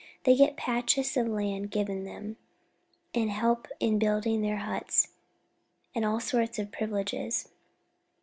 They get patches of land given them, and help in building their huts, and all sorts of privileges.